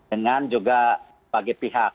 dengan juga bagi pihak